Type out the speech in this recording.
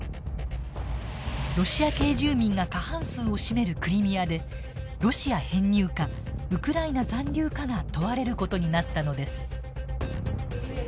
ロシア系住民が過半数を占めるクリミアでロシア編入かウクライナ残留かが問われる事になったのです。